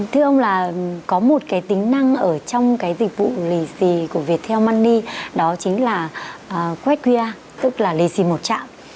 thưa ông là có một cái tính năng ở trong cái dịch vụ lì xì của viettel money đó chính là quedqia